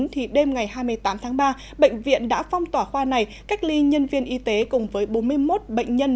thì đêm ngày hai mươi tám tháng ba bệnh viện đã phong tỏa khoa này cách ly nhân viên y tế cùng với bốn mươi một bệnh nhân